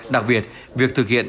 đặc biệt việc thực hiện